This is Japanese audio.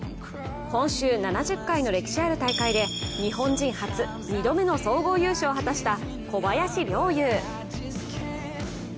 今週、７０回の歴史ある大会で日本人初２度目の総合優勝を果たした小林陵侑。